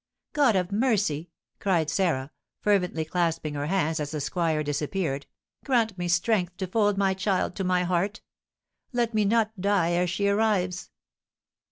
"God of mercy!" cried Sarah, fervently clasping her hands as the squire disappeared, "grant me strength to fold my child to my heart! Let me not die ere she arrives!"